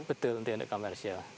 betul untuk komersil